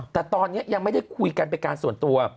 แต่ตอนนี้ยังไม่ได้คุยกันเป็นการส่วนตัว